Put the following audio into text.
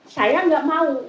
saya gak mau